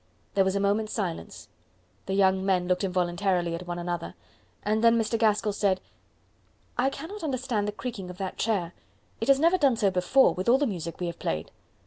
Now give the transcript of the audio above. There was a moment's silence; the young men looked involuntarily at one another, and then Mr. Gaskell said, "I cannot understand the creaking of that chair; it has never done so before, with all the music we have played.